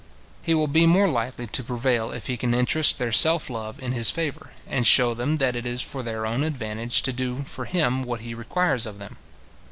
He will be more likely to prevail if he can interest their self love in his favour, and shew them that it is for their own advantage to do for him what he requires of them.